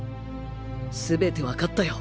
全てわかったよ！